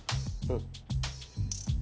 うん。